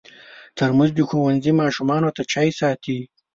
ترموز د ښوونځي ماشومانو ته چای ساتي.